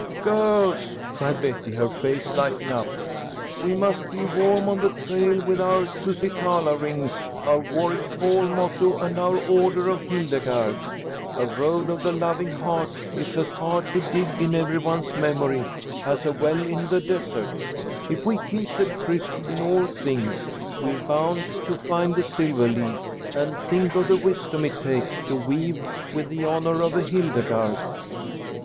"Girls!" cried Betty, her face lighting up, "we must be warm on the trail, with our Tusitala rings, our Warwick Hall motto, and our Order of Hildegarde. A Road of the Loving Heart is as hard to dig in every one's memory as a well in the desert. If we keep the tryst in all things, we're bound to find the silver leaf, and think of the wisdom it takes to weave with the honor of a Hildegarde!"